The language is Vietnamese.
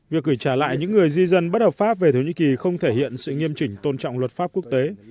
việc gửi trả lại những người di dân bất hợp pháp về thổ nhĩ kỳ không thể hiện sự nghiêm chỉnh tôn trọng luật pháp quốc tế